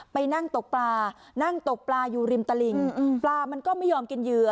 ไปนั่งตกปลานั่งตกปลาอยู่ริมตลิ่งปลามันก็ไม่ยอมกินเหยื่อ